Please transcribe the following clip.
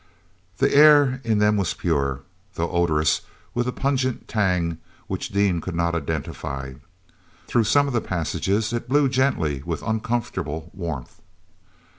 The air in them was pure, though odorous with a pungent tang which Dean could not identify. Through some of the passages it blew gently with uncomfortable warmth.